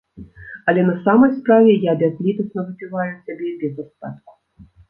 Але на самай справе, я бязлітасна выпіваю цябе без астатку.